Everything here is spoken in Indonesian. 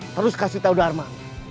terus kasih tahu dharma